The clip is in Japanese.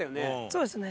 そうですね。